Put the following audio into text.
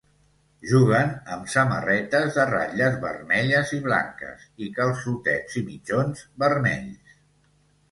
Juguen amb samarretes de ratlles vermelles i blanques, i calçotets i mitjons vermells.